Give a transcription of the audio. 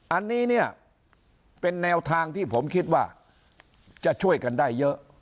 อันนี้เนี่ยเป็นแนวทางที่ผมคิดว่าจะช่วยกันได้เยอะ